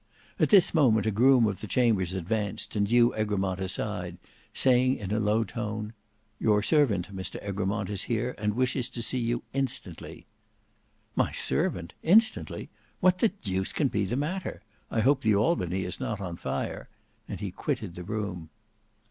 At this moment, a groom of the chambers advanced and drew Egremont aside, saying in a low tone, "Your servant, Mr Egremont, is here and wishes to see you instantly." "My servant! Instantly! What the deuce can be the matter? I hope the Albany is not on fire," and he quitted the room.